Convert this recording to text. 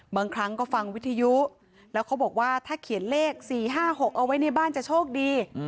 บางครั้งก็ฟังวิทยุแล้วเขาบอกว่าถ้าเขียนเลข๔๕๖เอาไว้ในบ้านจะโชคดี